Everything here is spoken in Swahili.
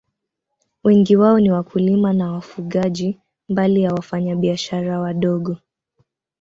Wengi wao ni wakulima na wafugaji, mbali ya wafanyabiashara wadogo.